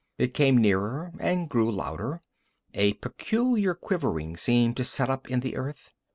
It came nearer and grew louder. A peculiar quivering seemed to set up in the earth.